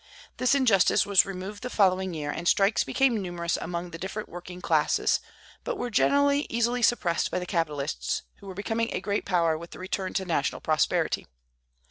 This injustice was removed the following year, and strikes became numerous among the different working classes, but were generally easily suppressed by the capitalists, who were becoming a great power with the return to national prosperity.